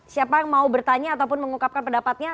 siapa yang mau bertanya ataupun mengungkapkan pendapatnya